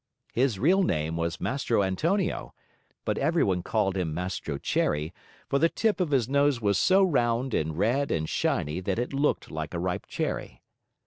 His real name was Mastro Antonio, but everyone called him Mastro Cherry, for the tip of his nose was so round and red and shiny that it looked like a ripe cherry.